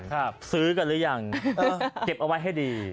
ซื้อกันหรือยังเก็บเอาไว้ให้ดี